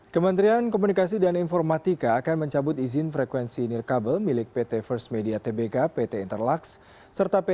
kementerian komunikasi dan informatika akan mencabut izin frekuensi nirkabel milik pt first media tbk pt interlaks serta pt